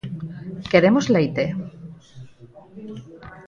Queremos leite?